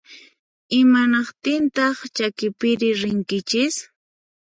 Imanaqtintaq chakipiri rinkichis?